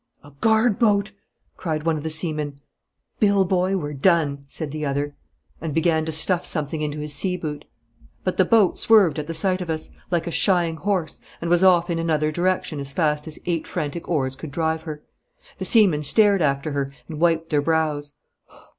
'A guard boat!' cried one of the seamen. 'Bill, boy, we're done!' said the other, and began to stuff something into his sea boot. But the boat swerved at the sight of us, like a shying horse, and was off in another direction as fast as eight frantic oars could drive her. The seamen stared after her and wiped their brows.